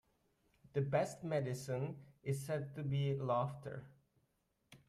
The best medicine is said to be laughter.